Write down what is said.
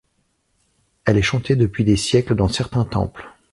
Elle est chantée depuis des siècles dans certains temples.